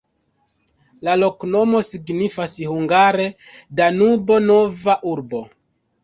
La loknomo signifas hungare Danubo-nova-urbo.